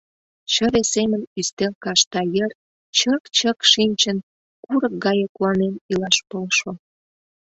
Чыве семын ӱстел кашта йыр чык-чык шинчын, курык гае куанен илаш полшо.